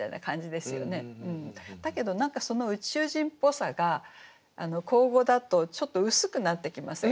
だけど何かその宇宙人っぽさが口語だとちょっと薄くなってきませんか？